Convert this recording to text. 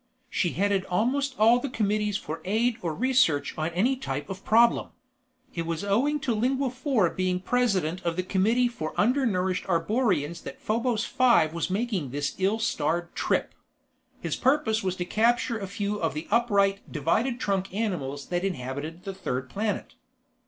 She headed almost all committees for aid or research on any type of problem. It was owing to Lingua Four being president of the Committee for Undernourished Arborians that Probos Five was making this ill starred trip. His purpose was to capture a few of the upright, divided trunk animals that inhabited the third planet.